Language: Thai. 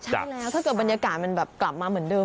ใช่แล้วถ้าเกิดบรรยากาศมันแบบกลับมาเหมือนเดิม